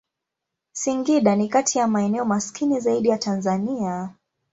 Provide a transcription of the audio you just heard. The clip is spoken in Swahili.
Singida ni kati ya maeneo maskini zaidi ya Tanzania.